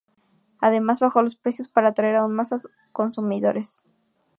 Además, bajó los precios para atraer aun a más consumidores.